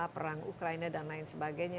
perang ukraina dan lain sebagainya